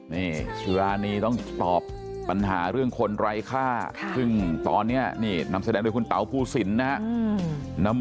นี่ชีวิตรานี้ต้องตอบปัญหาเรื่องคนไร้ค่าซึ่งตอนนี้นำแสดงโดยคุณเต๋าภูศิลป์นะฮะ